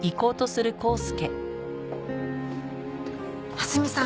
蓮見さん。